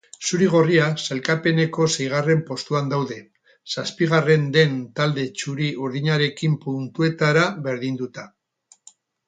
Zuri-gorriak sailkapeneko seigarren postuan daude, zazpigarren den talde txuri-urdinarekin puntuetara berdinduta.